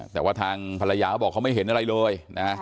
แต่ว่าทางภรรยาเขาบอกเขาไม่เห็นอะไรเลยนะ